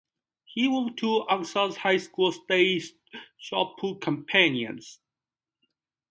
He won two Arkansas high school state shot put championships.